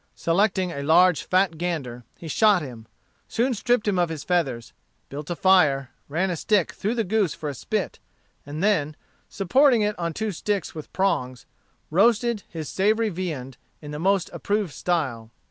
Selecting a large fat gander, he shot him, soon stripped him of his feathers, built a fire, ran a stick through the goose for a spit, and then, supporting it on two sticks with prongs, roasted his savory viand in the most approved style.